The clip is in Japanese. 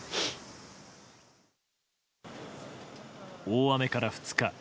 大雨から２日。